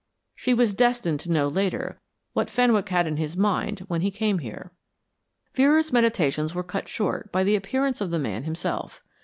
She was destined to know later what Fenwick had in his mind when he came here. Vera's meditations were cut short by the appearance of the man himself.